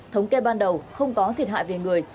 thống kê ban đầu không có thiệt hại về người